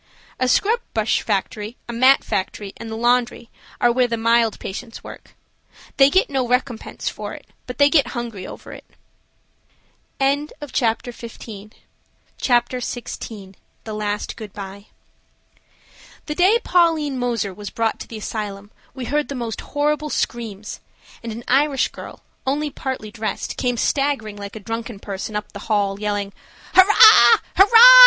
A scrub brush factory, a mat factory, and the laundry, are where the mild patients work. They get no recompense for it, but they get hungry over it. CHAPTER XVI. THE LAST GOOD BYE. THE day Pauline Moser was brought to the asylum we heard the most horrible screams, and an Irish girl, only partly dressed, came staggering like a drunken person up the hall, yelling, "Hurrah!